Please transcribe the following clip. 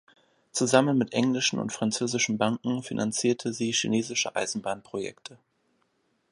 Zusammen mit englischen und französischen Banken finanzierte sie chinesische Eisenbahn-Projekte.